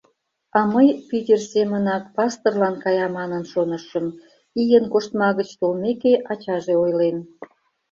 — А мый Питер семынак пасторлан кая манын шонышым, — ийын коштма гыч толмеке, ачаже ойлен.